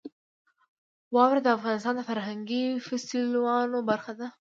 واوره د افغانستان د فرهنګي فستیوالونو برخه ده.